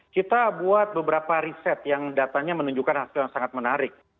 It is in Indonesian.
kita buat beberapa riset yang datanya menunjukkan hasil yang sangat menarik